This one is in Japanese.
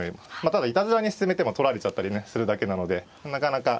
ただいたずらに進めても取られちゃったりねするだけなのでなかなか。